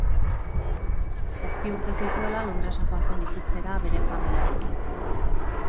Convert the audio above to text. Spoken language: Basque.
Zazpi urte zituela Londresa joan zen bizitzera bere familiarekin.